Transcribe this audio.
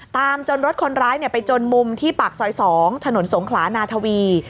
จนรถคนร้ายไปจนมุมที่ปากซอย๒ถนนสงขลานาทวี